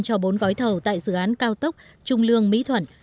cho bốn gói thầu tại dự án cao tốc trung lương mỹ thuận